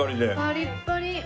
パリッパリ！